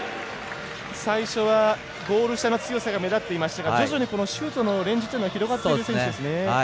最初は、ゴール下の強さが目立っていましたが徐々にシュートのレンジが広がっている選手ですね。